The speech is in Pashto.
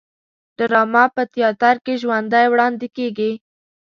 ډرامه په تیاتر کې ژوندی وړاندې کیږي